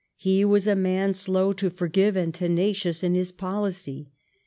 He was a man slow to forgive and tenacious in his policy.